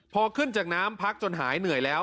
พอขึ้นจากน้ำพักจนหายเหนื่อยแล้ว